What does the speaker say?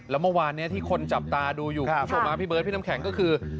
แล้วเมื่อวานนี้ที่คนจับตาดูอยู่คุณผู้ชมพี่เบิร์ดพี่น้ำแข็งก็คือ